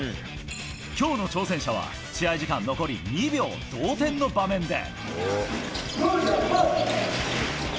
きょうの挑戦者は、試合時間残り２秒、同点の場面で。